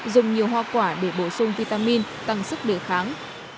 dùng nhiều hoa quả để bổ sung vitamin tăng sức đề kháng